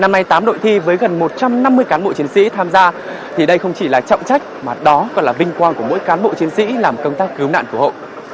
năm nay tám đội thi với gần một trăm năm mươi cán bộ chiến sĩ tham gia thì đây không chỉ là trọng trách mà đó còn là vinh quang của mỗi cán bộ chiến sĩ làm công tác cứu nạn cứu hộ